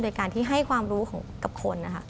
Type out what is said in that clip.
โดยการที่ให้ความรู้กับคนนะคะ